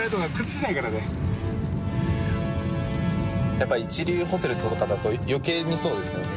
やっぱり一流ホテルとかだと招廚そうですよね。